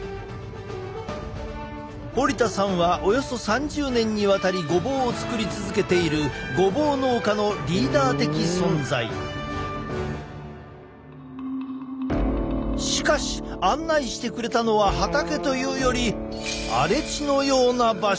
堀田さんはおよそ３０年にわたりごぼうを作り続けているごぼう農家のリーダー的存在！しかし案内してくれたのは畑というより荒れ地のような場所。